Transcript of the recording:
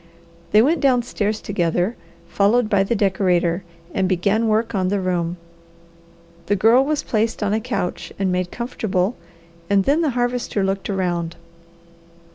They went downstairs together, followed by the decorator, and began work on the room. The Girl was placed on a couch and made comfortable and then the Harvester looked around.